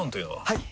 はい！